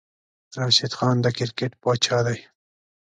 راشد خان د کرکیټ پاچاه دی